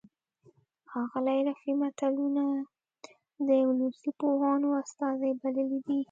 ښاغلي رفیع متلونه د ولسي پوهانو استازي بللي دي